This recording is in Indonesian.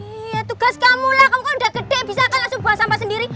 iya tugas kamu lah kamu kalau udah gede bisa kan langsung buang sampah sendiri